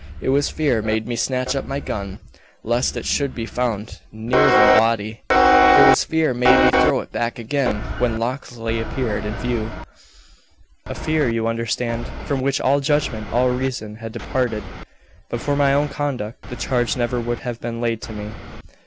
It was fear made me snatch up my gun, lest it should be found near the body; it was fear made me throw it back again when Locksley appeared in view a fear you understand, from which all judgment, all reason, had departed. But for my own conduct, the charge never would have been laid to me."